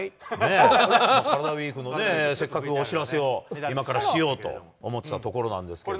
カラダＷＥＥＫのね、せっかくお知らせを今からしようと思ってたところなんですけれども。